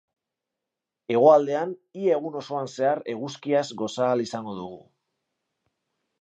Hegoaldean, ia egun osoan zehar eguzkiaz goza ahal izango dugu.